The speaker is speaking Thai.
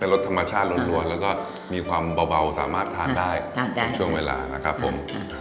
รสธรรมชาติล้วนแล้วก็มีความเบาสามารถทานได้ทุกช่วงเวลานะครับผม